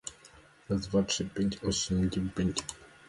South Zone were the defending champions.